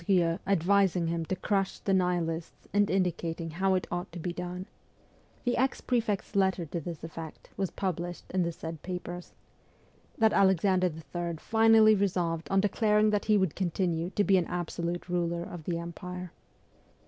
Andrieux advising him to crush the nihilists and indicating how it ought to be done (the ex prefect's letter to this effect was published in the said papers) that Alexander III. finally resolved on declaring that he would continue to be an absolute ruler of the Empire.